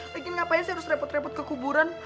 lagi ngapain saya harus repot repot ke kuburan